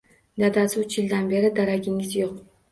-Dadasi uch yildan beri daragingiz yoʻq